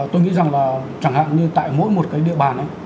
tôi nghĩ rằng là chẳng hạn như tại mỗi một cái địa bàn ấy